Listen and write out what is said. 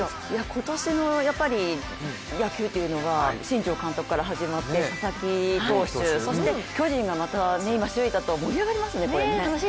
今年の野球というのは新庄監督から始まって佐々木投手、そして巨人がまた首位だと盛り上がりますね。